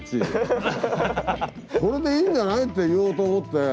これでいいんじゃないって言おうと思って。